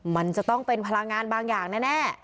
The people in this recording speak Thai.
มันจะต้องเป็นพลังงานบางอย่างแน่